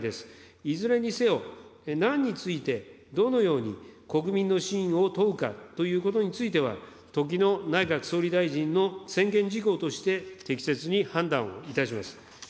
いずれにせよ、何についてどのように国民の信を問うかということについては、時の内閣総理大臣の専権事項として、適切に判断をいたします。